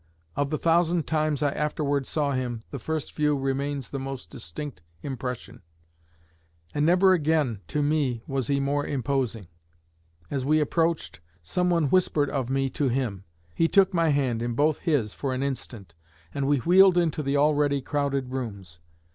Of the thousand times I afterward saw him, the first view remains the most distinct impression; and never again to me was he more imposing. As we approached, someone whispered of me to him; he took my hand in both his for an instant, and we wheeled into the already crowded rooms.